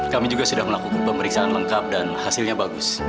kami juga sudah melakukan pemeriksaan lengkap dan hasilnya bagus